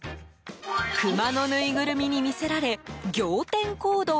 クマのぬいぐるみに魅せられ仰天行動。